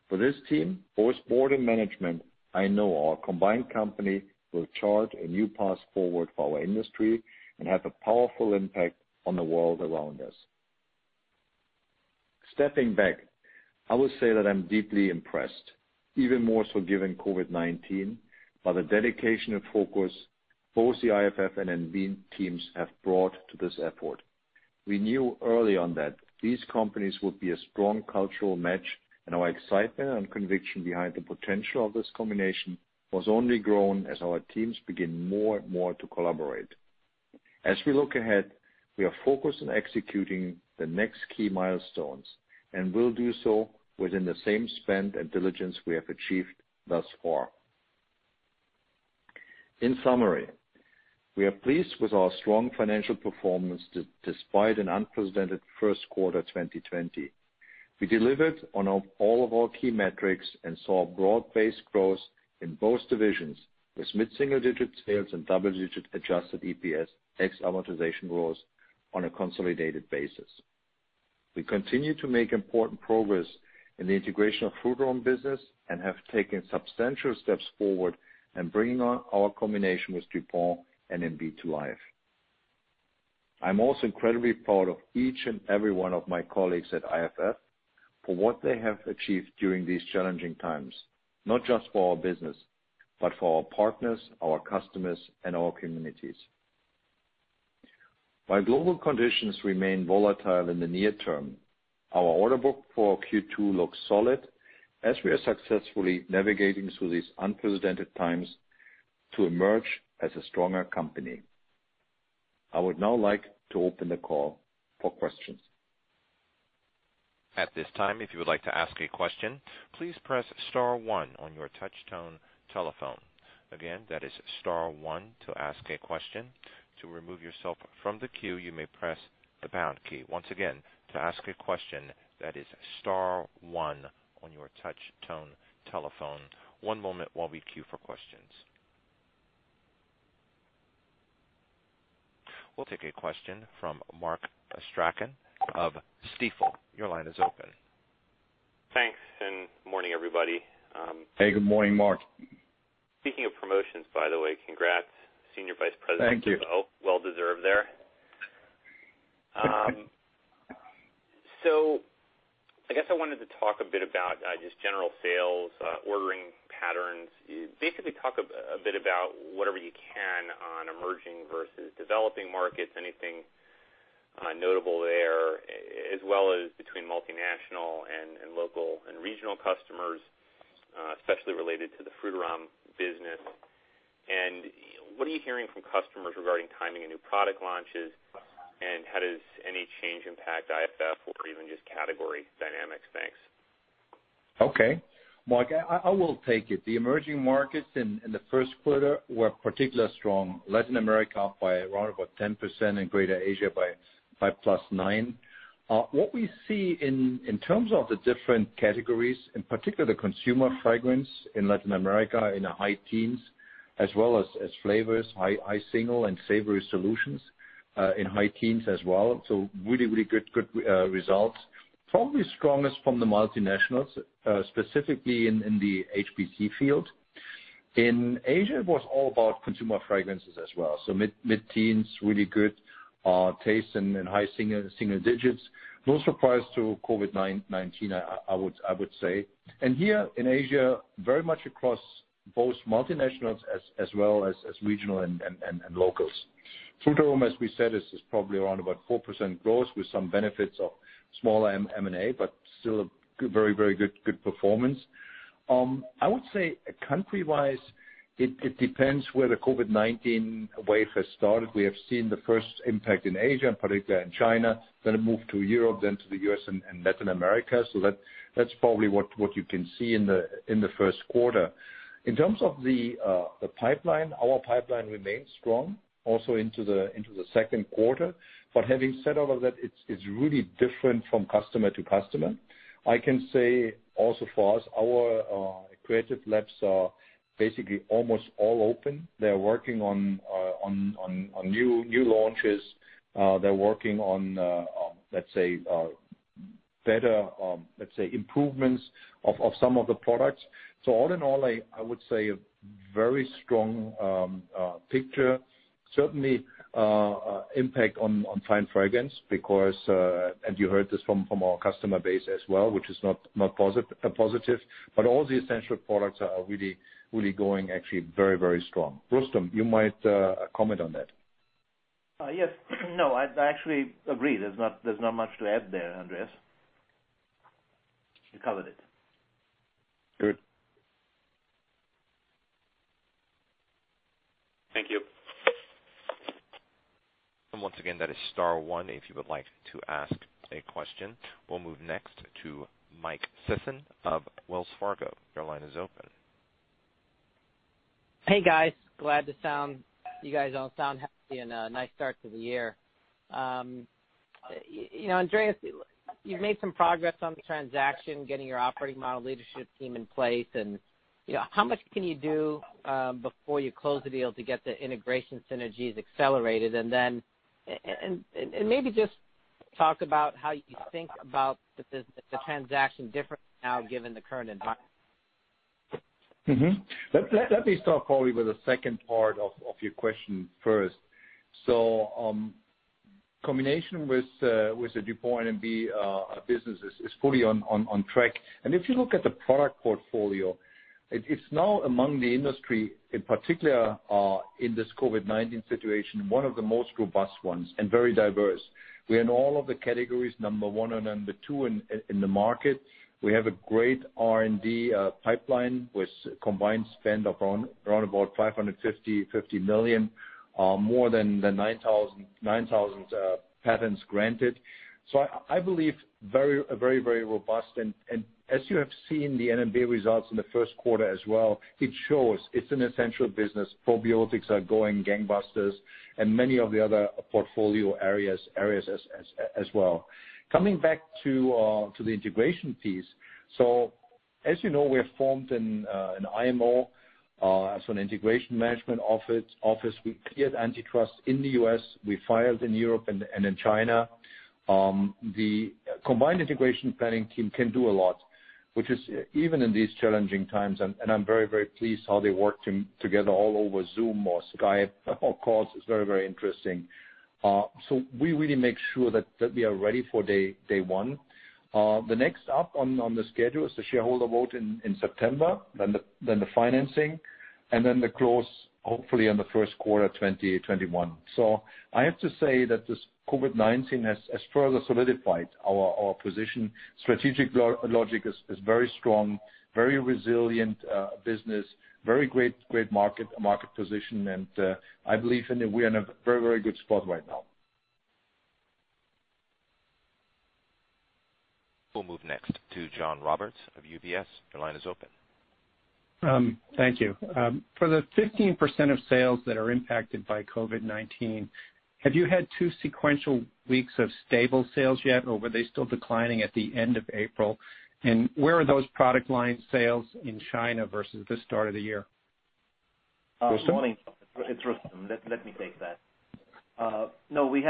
For this team, both board and management, I know our combined company will chart a new path forward for our industry and have a powerful impact on the world around us. Stepping back, I would say that I'm deeply impressed, even more so given COVID-19, by the dedication and focus both the IFF and N&B teams have brought to this effort. We knew early on that these companies would be a strong cultural match, and our excitement and conviction behind the potential of this combination has only grown as our teams begin more and more to collaborate. As we look ahead, we are focused on executing the next key milestones and will do so within the same spend and diligence we have achieved thus far. In summary, we are pleased with our strong financial performance despite an unprecedented first quarter 2020. We delivered on all of our key metrics and saw broad-based growth in both divisions, with mid-single-digit sales and double-digit adjusted EPS ex-amortization growth on a consolidated basis. We continue to make important progress in the integration of Frutarom business and have taken substantial steps forward in bringing our combination with DuPont and N&B to life. I'm also incredibly proud of each and every one of my colleagues at IFF for what they have achieved during these challenging times, not just for our business, but for our partners, our customers, and our communities. While global conditions remain volatile in the near term, our order book for Q2 looks solid as we are successfully navigating through these unprecedented times to emerge as a stronger company. I would now like to open the call for questions. At this time, if you would like to ask a question, please press star one on your touchtone telephone. Again, that is star one to ask a question. To remove yourself from the queue, you may press the pound key. Once again, to ask a question that is star one on your touchtone telephone. One moment while we queue for questions. We'll take a question from Mark Astrachan of Stifel. Your line is open. Thanks, morning, everybody. Hey, good morning, Mark. Speaking of promotions, by the way, congrats, Senior Vice President. Thank you. Well deserved there. I guess I wanted to talk a bit about just general sales, ordering patterns. Basically, talk a bit about whatever you can on emerging versus developing markets, anything notable there, as well as between multinational and local and regional customers, especially related to the Frutarom business. What are you hearing from customers regarding timing of new product launches, and how does any change impact IFF or even just category dynamics? Thanks. Okay. Mark, I will take it. The emerging markets in the first quarter were particularly strong. Latin America by around about 10% and Greater Asia by +9%. What we see in terms of the different categories, in particular the consumer fragrance in Latin America in the high teens%, as well as flavors, high single and Savory Solutions, in high teens% as well. Really good results. Probably strongest from the multinationals, specifically in the HPC field. In Asia, it was all about consumer fragrances as well. Mid-teens%, really good taste and high single digits%. No surprise to COVID-19, I would say. Here in Asia, very much across both multinationals as well as regional and locals. Frutarom, as we said, is probably around about 4% growth with some benefits of small M&A, but still a very good performance. I would say country-wise, it depends where the COVID-19 wave has started. We have seen the first impact in Asia, particularly in China, it moved to Europe, to the U.S. and Latin America. That's probably what you can see in the first quarter. In terms of the pipeline, our pipeline remains strong also into the second quarter. Having said all of that, it's really different from customer to customer. I can say also for us, our creative labs are basically almost all open. They're working on new launches. They're working on, let's say, improvements of some of the products. All in all, I would say a very strong picture, certainly impact on fine fragrance because, you heard this from our customer base as well, which is not positive, all the essential products are really going actually very strong. Rustom, you might comment on that. Yes. No, I actually agree. There's not much to add there, Andreas. You covered it. Good. Thank you. Once again, that is star one if you would like to ask a question. We'll move next to Mike Sison of Wells Fargo. Your line is open. Hey, guys. You guys all sound happy and a nice start to the year. Andreas, you've made some progress on the transaction, getting your operating model leadership team in place, how much can you do before you close the deal to get the integration synergies accelerated? Maybe just talk about how you think about the transaction differently now given the current environment. Let me start probably with the second part of your question first. Combination with the DuPont N&B business is fully on track. If you look at the product portfolio, it's now among the industry, in particular, in this COVID-19 situation, one of the most robust ones and very diverse. We're in all of the categories, number 1 and number 2 in the market. We have a great R&D pipeline with combined spend of around about $550 million, more than the 9,000 patents granted. I believe very robust and as you have seen the N&B results in the first quarter as well, it shows it's an essential business. Probiotics are going gangbusters and many of the other portfolio areas as well. Coming back to the integration piece. As you know, we have formed an IMO, so an integration management office. We cleared antitrust in the U.S., we filed in Europe and in China. The combined integration planning team can do a lot, which is even in these challenging times, and I'm very pleased how they worked together all over Zoom or Skype or calls. It's very interesting. We really make sure that we are ready for day one. The next up on the schedule is the shareholder vote in September, then the financing, and then the close, hopefully in the first quarter 2021. I have to say that this COVID-19 has further solidified our position. Strategic logic is very strong, very resilient business, very great market position and I believe we are in a very good spot right now. We'll move next to John Roberts of UBS. Your line is open. Thank you. For the 15% of sales that are impacted by COVID-19, have you had two sequential weeks of stable sales yet, or were they still declining at the end of April? Where are those product line sales in China versus the start of the year? Rustom? Morning. It is Rustom. Let me take that. We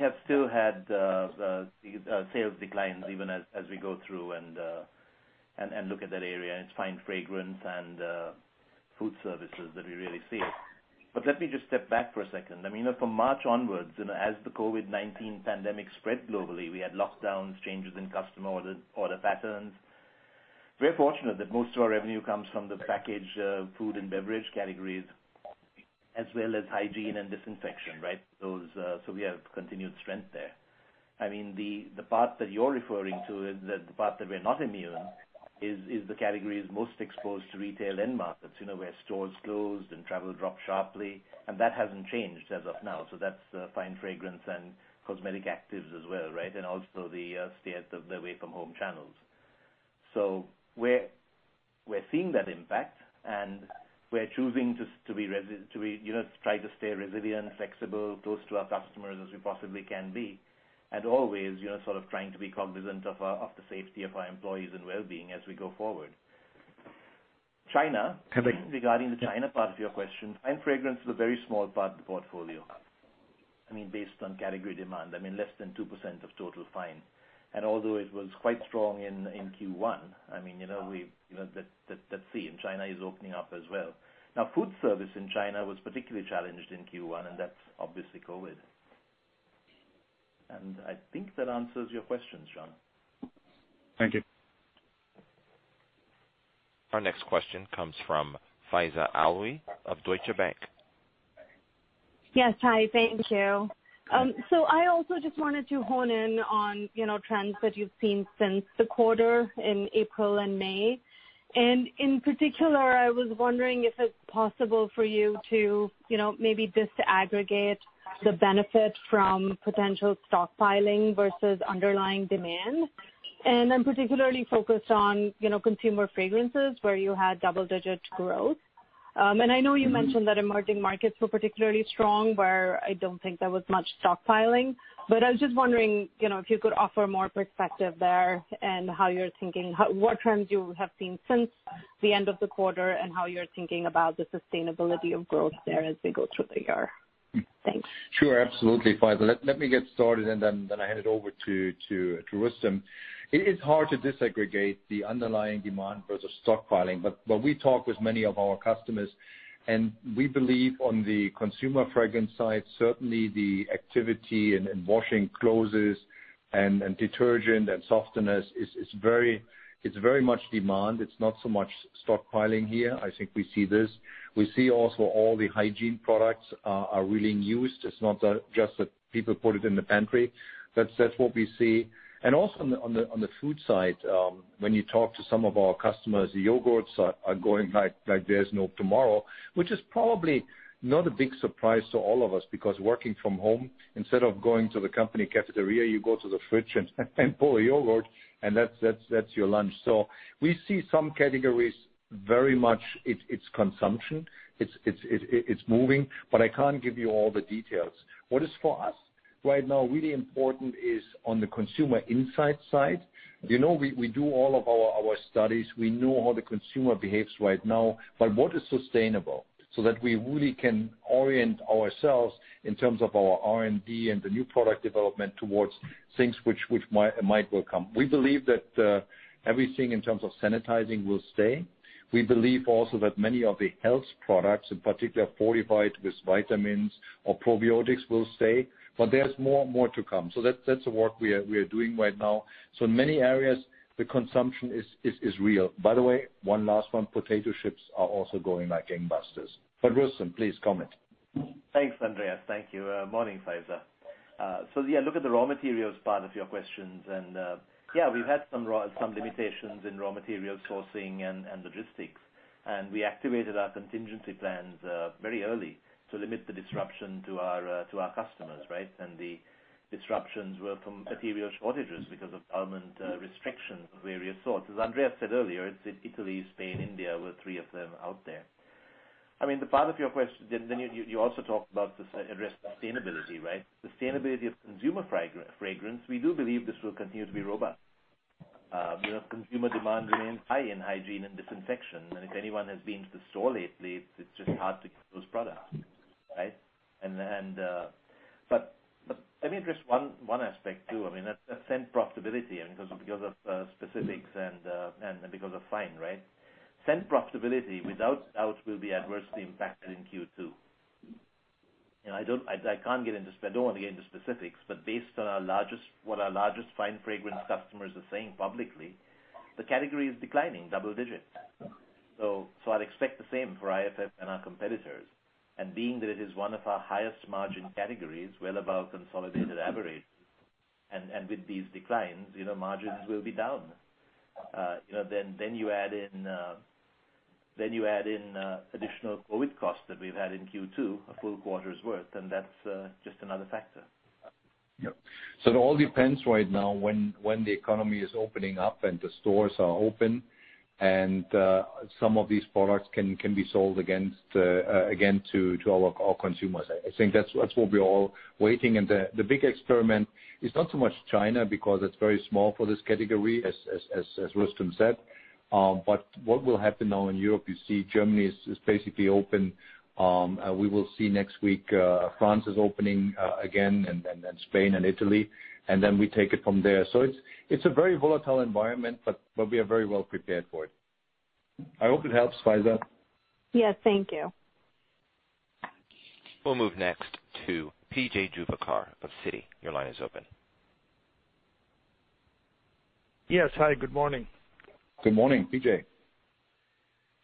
have still had the sales declines even as we go through and look at that area, and it is fine fragrance and food services that we really see it. Let me just step back for a second. From March onwards, as the COVID-19 pandemic spread globally, we had lockdowns, changes in customer order patterns. We are fortunate that most of our revenue comes from the packaged food and beverage categories, as well as hygiene and disinfection, right? We have continued strength there. The part that you are referring to is the part that we are not immune is the categories most exposed to retail end markets where stores closed and travel dropped sharply, and that hasn't changed as of now. That is the fine fragrance and cosmetic actives as well, right? Also the away-from-home channels. We're seeing that impact, and we're choosing to try to stay resilient, flexible, close to our customers as we possibly can be, and always, sort of trying to be cognizant of the safety of our employees and well-being as we go forward. Okay. Regarding the China part of your question, fine fragrance is a very small part of the portfolio. Based on category demand, less than 2% of total fine. Although it was quite strong in Q1, that scene, China is opening up as well. Food service in China was particularly challenged in Q1, and that's obviously COVID. I think that answers your questions, John. Thank you. Our next question comes from Faiza Alwy of Deutsche Bank. Yes, hi. Thank you. I also just wanted to hone in on trends that you've seen since the quarter in April and May. In particular, I was wondering if it's possible for you to maybe disaggregate the benefit from potential stockpiling versus underlying demand. I'm particularly focused on consumer fragrances, where you had double-digit growth. I know you mentioned that emerging markets were particularly strong, where I don't think there was much stockpiling. I was just wondering if you could offer more perspective there and what trends you have seen since the end of the quarter and how you're thinking about the sustainability of growth there as we go through the year. Thanks. Sure, absolutely, Faiza. Let me get started, and then I hand it over to Rustom. It is hard to disaggregate the underlying demand versus stockpiling. We talk with many of our customers, and we believe on the consumer fragrance side, certainly the activity in washing clothes and detergent and softeners, it's very much demand. It's not so much stockpiling here. I think we see this. We see also all the hygiene products are really in use. It's not just that people put it in the pantry. That's what we see. Also on the food side, when you talk to some of our customers, the yogurts are going like there's no tomorrow, which is probably not a big surprise to all of us, because working from home, instead of going to the company cafeteria, you go to the fridge and pull a yogurt, and that's your lunch. We see some categories very much, it's consumption, it's moving, but I can't give you all the details. What is for us right now really important is on the consumer insight side. We do all of our studies. We know how the consumer behaves right now, but what is sustainable so that we really can orient ourselves in terms of our R&D and the new product development towards things which might will come. We believe that everything in terms of sanitizing will stay. We believe also that many of the health products, in particular fortified with vitamins or probiotics, will stay. There's more to come. That's the work we are doing right now. In many areas, the consumption is real. By the way, one last one, potato chips are also going like gangbusters. Rustom, please comment. Thanks, Andreas. Thank you. Morning, Faiza. Yeah, look at the raw materials part of your questions. Yeah, we've had some limitations in raw material sourcing and logistics. We activated our contingency plans very early to limit the disruption to our customers, right? The disruptions were from material shortages because of government restrictions of various sorts. As Andreas said earlier, it's Italy, Spain, India were three of them out there. The part of your question, you also talked about the sustainability, right? Sustainability of consumer fragrance, we do believe this will continue to be robust. Consumer demand remains high in hygiene and disinfection. If anyone has been to the store lately, it's just hard to get those products, right? Let me address one aspect, too. That's scent profitability, because of specifics and because of fine, right? Scent profitability, without doubt, will be adversely impacted in Q2. I don't want to get into specifics, but based on what our largest fine fragrance customers are saying publicly, the category is declining double digits. I'd expect the same for IFF and our competitors. Being that it is one of our highest margin categories, well above consolidated average, and with these declines, margins will be down. You add in additional COVID costs that we've had in Q2, a full quarter's worth, and that's just another factor. Yeah. It all depends right now when the economy is opening up and the stores are open and some of these products can be sold again to all consumers. I think that's what we're all waiting. The big experiment is not so much China, because it's very small for this category, as Rustom said, but what will happen now in Europe, you see Germany is basically open. We will see next week, France is opening again, and then Spain and Italy, and then we take it from there. It's a very volatile environment, but we are very well prepared for it. I hope it helps, Faiza. Yes, thank you. We'll move next to P.J. Juvekar of Citi. Your line is open. Yes, hi, good morning. Good morning, P.J.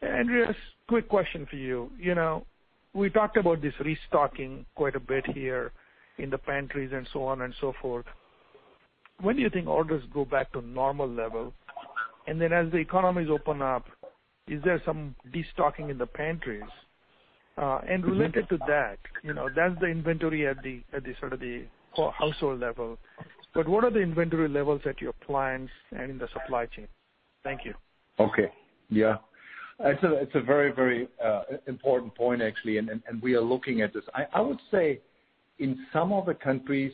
Andreas, quick question for you. We talked about this restocking quite a bit here in the pantries and so on and so forth. When do you think orders go back to normal level? As the economies open up, is there some destocking in the pantries? Related to that's the inventory at the household level. What are the inventory levels at your plants and in the supply chain? Thank you. Okay. Yeah. It's a very important point, actually, and we are looking at this. I would say in some of the countries,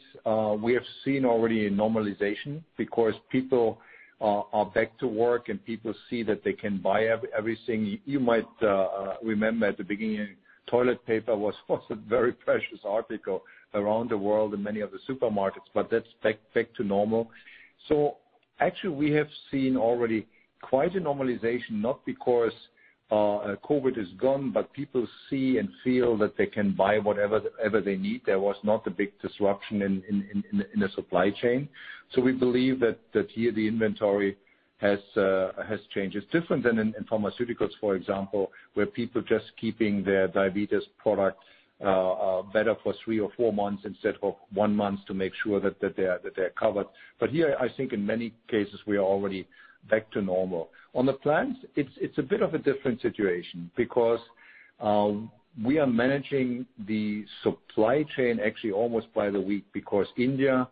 we have seen already a normalization because people are back to work, and people see that they can buy everything. You might remember at the beginning, toilet paper was a very precious article around the world in many of the supermarkets, but that's back to normal. Actually, we have seen already quite a normalization, not because COVID is gone, but people see and feel that they can buy whatever they need. There was not a big disruption in the supply chain. We believe that here the inventory has changed. It's different than in pharmaceuticals, for example, where people just keeping their diabetes product better for three or four months instead of one month to make sure that they are covered. Here, I think in many cases, we are already back to normal. On the plants, it's a bit of a different situation because we are managing the supply chain actually almost by the week, because India,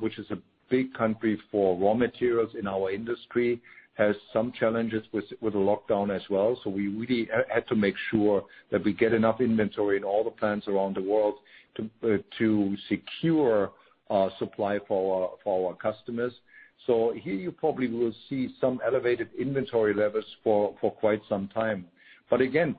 which is a big country for raw materials in our industry, has some challenges with the lockdown as well. We really had to make sure that we get enough inventory in all the plants around the world to secure supply for our customers. Here you probably will see some elevated inventory levels for quite some time. Again,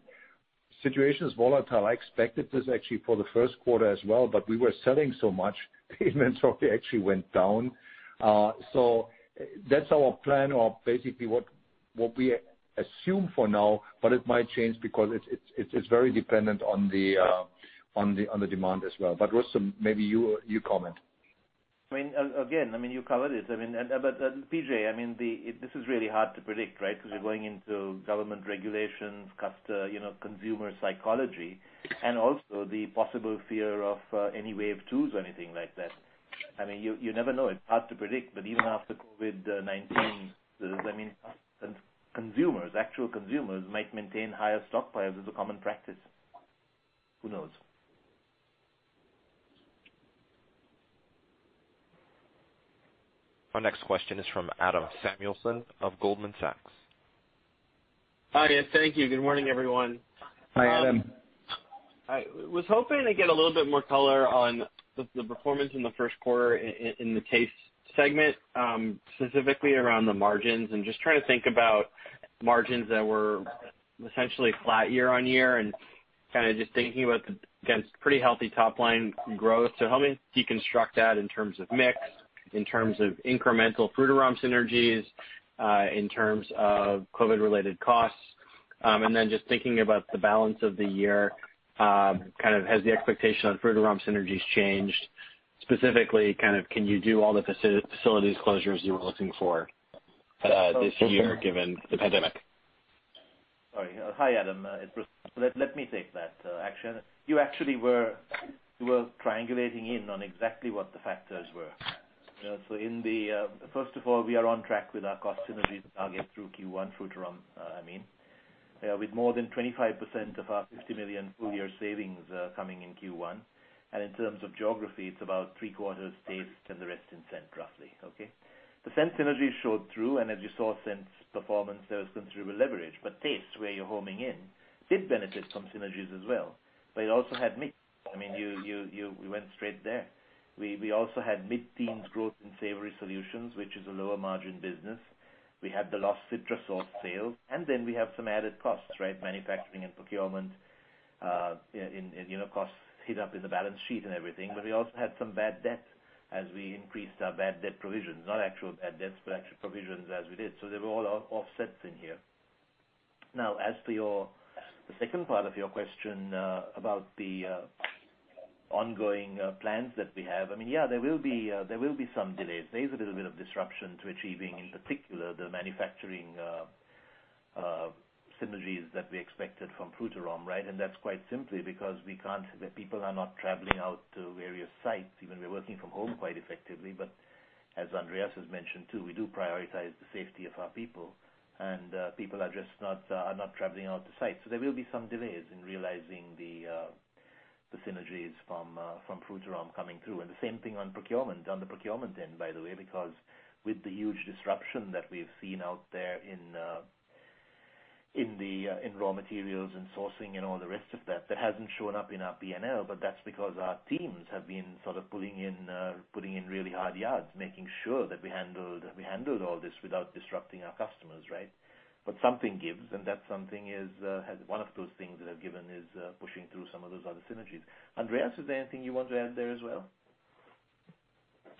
situation is volatile. I expected this actually for the first quarter as well, but we were selling so much inventory actually went down. That's our plan of basically what we assume for now, but it might change because it's very dependent on the demand as well. Rustom, maybe you comment. Again, you covered it. PJ, this is really hard to predict, right? Because you're going into government regulations, consumer psychology, and also the possible fear of any wave 2s or anything like that. You never know. It's hard to predict, but even after COVID-19, actual consumers might maintain higher stockpiles as a common practice. Who knows? Our next question is from Adam Samuelson of Goldman Sachs. Hi, yes, thank you. Good morning, everyone. Hi, Adam. I was hoping to get a little bit more color on the performance in the first quarter in the Taste segment, specifically around the margins, and just trying to think about margins that were essentially flat year-on-year and kind of just thinking about against pretty healthy top-line growth. Help me deconstruct that in terms of mix, in terms of incremental Frutarom synergies, in terms of COVID-related costs. Just thinking about the balance of the year, has the expectation on Frutarom synergies changed? Specifically, can you do all the facilities closures you were looking for this year given the pandemic? Sorry. Hi, Adam. It's Rustom. Let me take that action. You actually were triangulating in on exactly what the factors were. First of all, we are on track with our cost synergies target through Q1, Frutarom, I mean, with more than 25% of our $50 million full-year savings coming in Q1. In terms of geography, it's about three quarters taste and the rest in scent, roughly. Okay? The scent synergies showed through, and as you saw, scent's performance, there was considerable leverage. Taste, where you're homing in, did benefit from synergies as well, but it also had mix. We went straight there. We also had mid-teens growth in Savory Solutions, which is a lower margin business. We had the lost Citrus oil sales, and then we have some added costs. Manufacturing and procurement costs hit up in the balance sheet and everything. We also had some bad debt as we increased our bad debt provisions. Not actual bad debts, but actual provisions as we did. They were all offsets in here. As for the second part of your question about the ongoing plans that we have. There will be some delays. There is a little bit of disruption to achieving, in particular, the manufacturing synergies that we expected from Frutarom. That's quite simply because the people are not traveling out to various sites, even we're working from home quite effectively. As Andreas has mentioned, too, we do prioritize the safety of our people, and people are just not traveling out to sites. There will be some delays in realizing the synergies from Frutarom coming through. The same thing on the procurement end, by the way, because with the huge disruption that we've seen out there in raw materials and sourcing and all the rest of that hasn't shown up in our P&L. That's because our teams have been sort of putting in really hard yards, making sure that we handled all this without disrupting our customers. Something gives, and one of those things that have given is pushing through some of those other synergies. Andreas, is there anything you want to add there as well?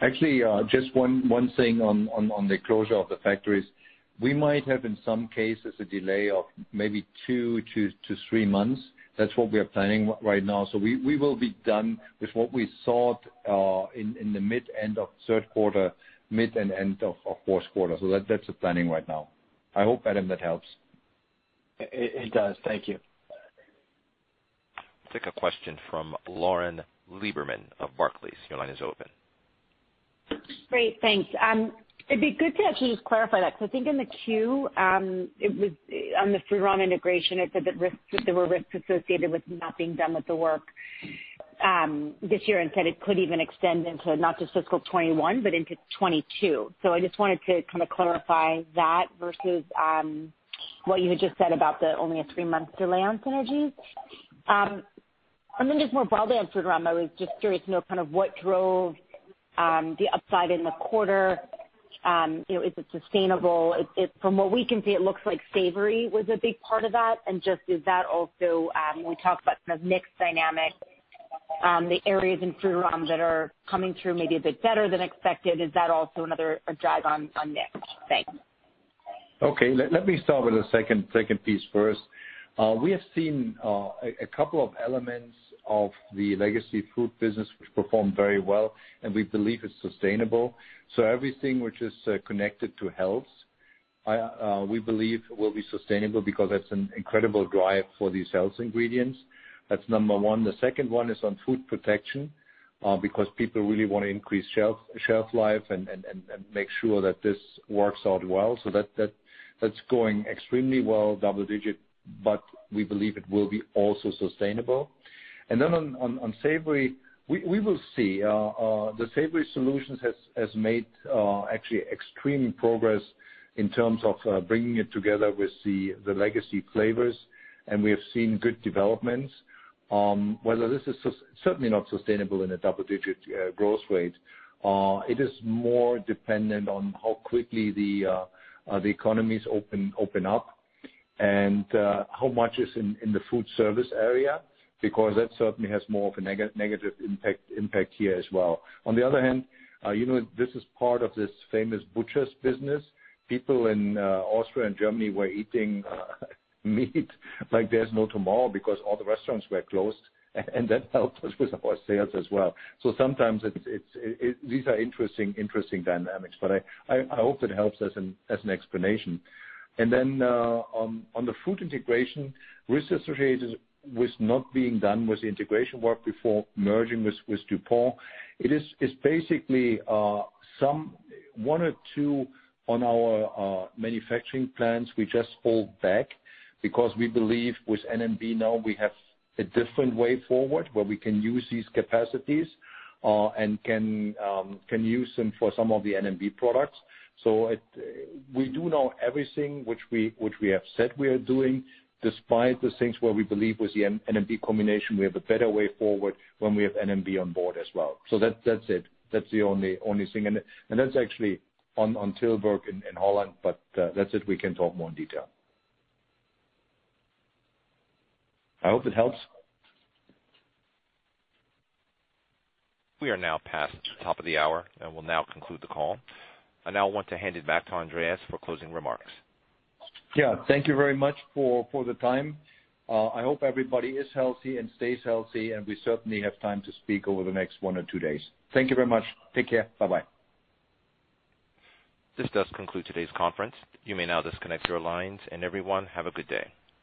Actually, just one thing on the closure of the factories. We might have, in some cases, a delay of maybe two to three months. That's what we are planning right now. We will be done with what we sought in the mid-end of third quarter, mid and end of fourth quarter. That's the planning right now. I hope, Adam, that helps. It does. Thank you. Take a question from Lauren Lieberman of Barclays. Your line is open. Great. Thanks. It'd be good to actually just clarify that, because I think in the Q, on the Frutarom integration, it said that there were risks associated with not being done with the work this year and said it could even extend into not just fiscal 2021, but into 2022. I just wanted to kind of clarify that versus what you had just said about only a three-month delay on synergies. Just more broadly on Frutarom, I was just curious to know kind of what drove the upside in the quarter. Is it sustainable? From what we can see, it looks like savory was a big part of that. Just is that also, when we talk about kind of mix dynamicsThe areas in Frutarom that are coming through maybe a bit better than expected. Is that also another drive on mix? Thanks. Okay. Let me start with the second piece first. We have seen a couple of elements of the legacy food business which performed very well, and we believe it's sustainable. Everything which is connected to health, we believe will be sustainable because that's an incredible drive for these health ingredients. That's number one. The second one is on food protection, because people really want to increase shelf life and make sure that this works out well. That's going extremely well, double-digit, but we believe it will be also sustainable. Then on savory, we will see. The Savory Solutions has made actually extreme progress in terms of bringing it together with the legacy flavors, and we have seen good developments. While this is certainly not sustainable in a double-digit growth rate, it is more dependent on how quickly the economies open up and how much is in the food service area, because that certainly has more of a negative impact here as well. On the other hand, this is part of this famous butcher's business. People in Austria and Germany were eating meat like there's no tomorrow because all the restaurants were closed, and that helped us with our sales as well. Sometimes these are interesting dynamics. I hope it helps as an explanation. On the food integration risks associated with not being done with the integration work before merging with DuPont, it is basically one or two on our manufacturing plants we just pulled back because we believe with N&B now we have a different way forward where we can use these capacities and can use them for some of the N&B products. We do know everything which we have said we are doing, despite the things where we believe with the N&B combination, we have a better way forward when we have N&B on board as well. That's it. That's the only thing. That's actually on Tilburg in Holland. That's it. We can talk more in detail. I hope it helps. We are now past the top of the hour and will now conclude the call. I now want to hand it back to Andreas for closing remarks. Yeah. Thank you very much for the time. I hope everybody is healthy and stays healthy, and we certainly have time to speak over the next one or two days. Thank you very much. Take care. Bye-bye. This does conclude today's conference. You may now disconnect your lines, and everyone, have a good day.